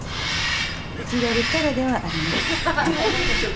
いじられキャラではありますね。